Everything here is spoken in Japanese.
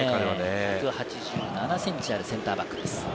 １８７センチあるセンターバックです。